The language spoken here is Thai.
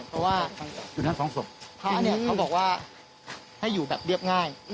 เพราะว่าพระเนี่ยเขาบอกว่าให้อยู่แบบเรียบง่าย